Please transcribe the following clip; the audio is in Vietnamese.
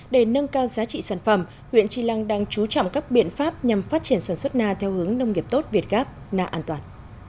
để nâng cao giá trị sản phẩm huyện tri lăng đang chú trọng các biện pháp nhằm phát triển sản xuất na theo hướng nông nghiệp tốt việt gáp na an toàn